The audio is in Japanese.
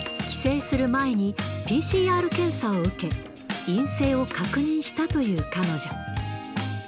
帰省する前に、ＰＣＲ検査を受け、陰性を確認したという彼女。